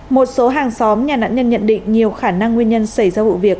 một số hàng xóm nhà nạn nhân nhận định nhiều khả năng nguyên nhân xảy ra vụ việc